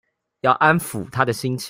要安撫她的心情